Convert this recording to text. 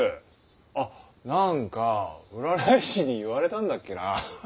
あ何か占い師に言われたんだっけな。